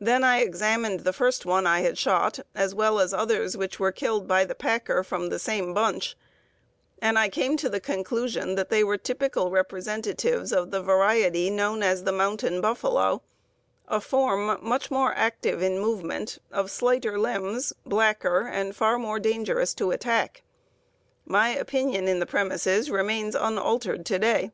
Then I examined the first one I had shot, as well as others which were killed by the packer from the same bunch, and I came to the conclusion that they were typical representatives of the variety known as the 'mountain buffalo,' a form much more active in movement, of slighter limbs, blacker, and far more dangerous to attack. My opinion in the premises remains unaltered to day.